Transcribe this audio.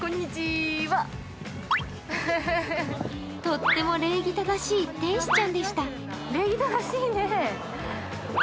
とっても礼儀正しい天使ちゃんでした。